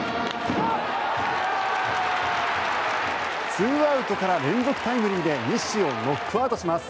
２アウトから連続タイムリーで西をノックアウトします。